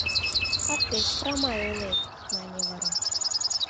— А пеш прамай ойлет, — мане вара.